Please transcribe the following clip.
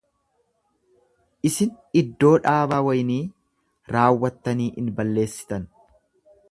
Isin iddoo dhaabaa waynii raawwattanii in balleessitan.